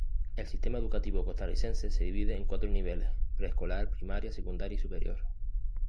El sistema educativo costarricense se divide en cuatro niveles: preescolar, primaria, secundaria y superior.